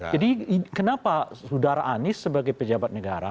jadi kenapa sudara anies sebagai pejabat negara